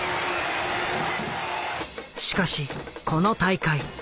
しかしこの大会。